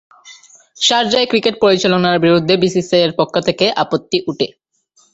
শারজায় cricket পরিচালনার বিরুদ্ধে BCCI এর পক্ষ থেকে আপত্তি উঠে।